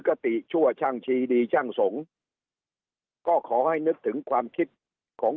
คติชั่วช่างชีดีช่างสงฆ์ก็ขอให้นึกถึงความคิดของ